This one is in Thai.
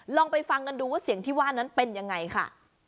ลองไปฟังกันดูว่าเสียงที่ว่านั้นเป็นยังไงค่ะ